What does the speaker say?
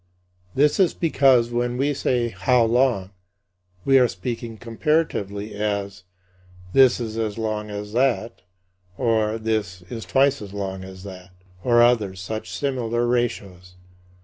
This is because when we say, "How long?", we are speaking comparatively as: "This is as long as that," or, "This is twice as long as that"; or other such similar ratios.